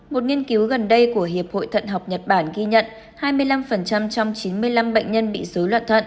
một nghiên cứu gần đây của hiệp hội thận học nhật bản ghi nhận hai mươi năm trong chín mươi năm bệnh nhân bị dối loạn thận